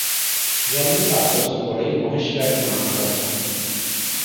জন্মের পাঁচ বছর পরেই মহেশ রায়ের মা মারা যান।